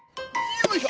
よいしょ！